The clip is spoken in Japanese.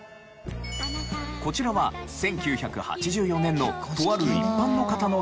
こちらは１９８４年のとある一般の方の結婚式の映像。